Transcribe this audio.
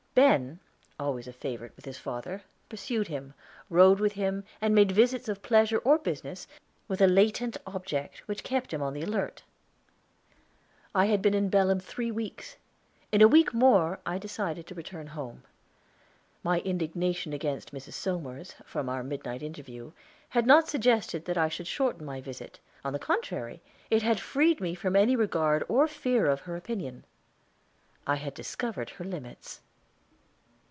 Ben, always a favorite with his father, pursued him, rode with him, and made visits of pleasure or business, with a latent object which kept him on the alert. I had been in Belem three weeks; in a week more I decided to return home. My indignation against Mrs. Somers, from our midnight interview, had not suggested that I should shorten my visit. On the contrary, it had freed me from any regard or fear of her opinion. I had discovered her limits.